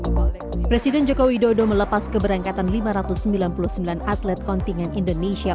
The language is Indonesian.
sejak tahun dua ribu dua belas presiden jokowi dodo melepas keberangkatan lima ratus sembilan puluh sembilan atlet kontingen indonesia